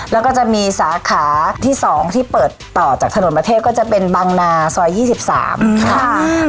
แล้วก็จะมีสาขาที่สองที่เปิดต่อจากถนนประเทศก็จะเป็นบังนาซอยยี่สิบสามค่ะอืม